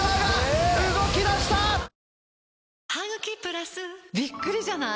あ！びっくりじゃない？